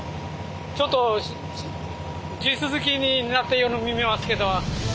ちょっと地続きになってるようにも見えますけど。